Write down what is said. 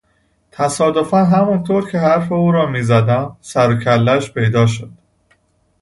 تصادفا همانطور که حرف او را میزدم سر و کلهاش پیدا شد.